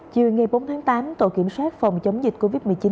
chiều ngày bốn tháng tám tổ kiểm soát phòng chống dịch covid một mươi chín